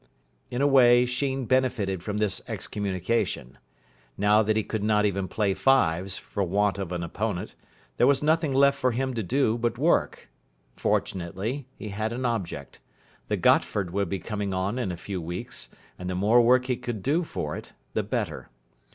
In a way Sheen benefited from this excommunication. Now that he could not even play fives, for want of an opponent, there was nothing left for him to do but work. Fortunately, he had an object. The Gotford would be coming on in a few weeks, and the more work he could do for it, the better.